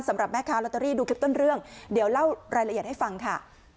สำหรับแม่ค้าลอตเตอรี่ดูคลิปต้นเรื่องเดี๋ยวเล่ารายละเอียดให้ฟังค่ะ